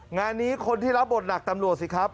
งานนี้คนที่รับบทหนักตำรวจสิครับ